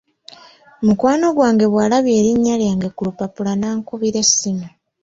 Mukwano gwange bw'alabye erinnya lyange ku lupapula n'ankubira essimu.